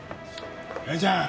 姉ちゃん！